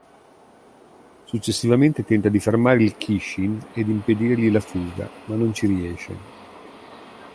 Successivamente tenta di fermare il Kishin ed impedirgli la fuga, ma non ci riesce.